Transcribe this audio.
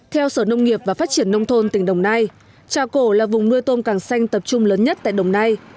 theo sở nông nghiệp và phát triển nông thôn tỉnh đồng nai trà cổ là vùng nuôi tôm càng xanh tập trung lớn nhất tại đồng nai